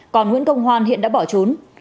còn nguyễn công hoan hiện đã bỏ trốn